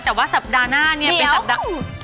แต่ว่าสัปดาห์หน้าเป็นสัปดาห์หยิบ